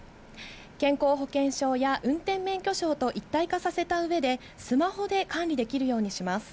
健康保険証や運転免許証と一体化させたうえで、スマホで管理できるようにします。